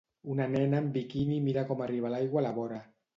Una nena amb biquini mira com arriba l'aigua a la vora.